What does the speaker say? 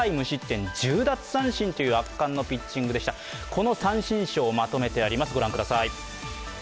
この三振ショーをまとめてあります。